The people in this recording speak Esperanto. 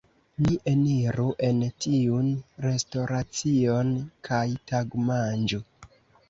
Ni eniru en tiun restoracion, kaj tagmanĝu.